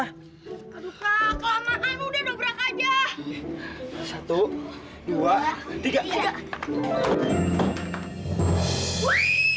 hai aduh kakak mau udah ngebrak aja satu ratus dua puluh tiga